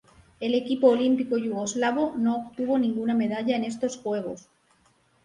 El equipo olímpico yugoslavo no obtuvo ninguna medalla en estos Juegos.